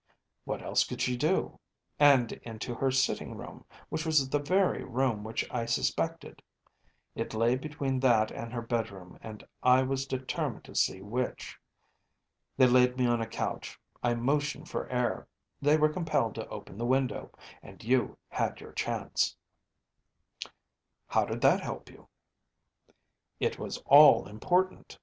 What else could she do? And into her sitting room, which was the very room which I suspected. It lay between that and her bedroom, and I was determined to see which. They laid me on a couch, I motioned for air, they were compelled to open the window, and you had your chance.‚ÄĚ “How did that help you?‚ÄĚ “It was all important.